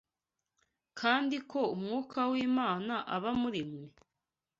kandi ko Umwuka w’Imana aba muri mwe?